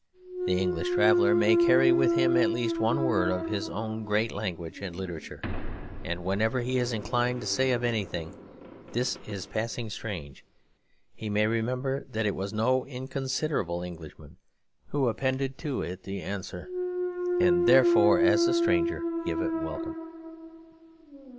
The English traveller may carry with him at least one word of his own great language and literature; and whenever he is inclined to say of anything 'This is passing strange,' he may remember that it was no inconsiderable Englishman who appended to it the answer, 'And therefore as a stranger give it welcome.'